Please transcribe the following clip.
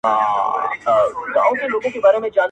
ورمعلومي وې طالع د انسانانو!.